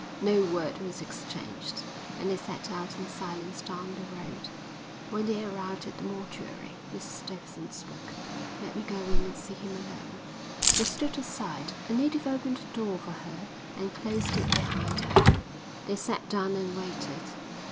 No word was exchanged, and they set out in silence down the road. When they arrived at the mortuary Mrs Davidson spoke. "Let me go in and see him alone." They stood aside. A native opened a door for her and closed it behind her. They sat down and waited.